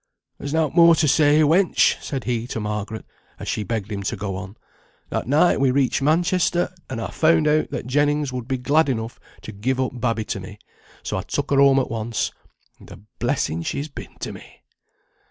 "There's nought more to say, wench," said he to Margaret, as she begged him to go on. "That night we reached Manchester, and I'd found out that Jennings would be glad enough to give up babby to me, so I took her home at once, and a blessing she's been to me."